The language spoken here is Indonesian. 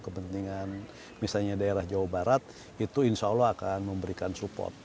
kepentingan misalnya daerah jawa barat itu insya allah akan memberikan support